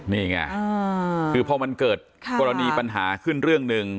นี่ไงคือพอมันเกิดกรณีปัญหาขึ้นเรื่องหนึ่ง